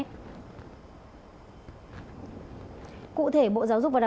cụ thể bộ giáo dục và đào tạo vừa có công văn hướng dẫn một số biện pháp